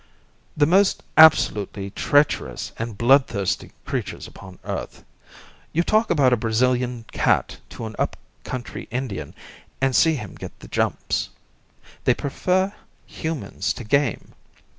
"The most absolutely treacherous and bloodthirsty creatures upon earth. You talk about a Brazilian cat to an up country Indian, and see him get the jumps. They prefer humans to game.